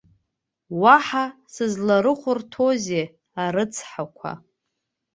Уаҳа сызларыхәарҭоузеи, арыцҳақәа!